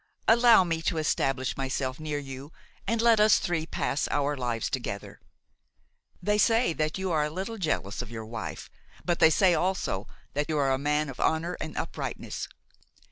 Allow me to establish myself near you and let us three pass our lives together. They say that you are a little jealous of your wife, but they say also that you are a man of honor and uprightness.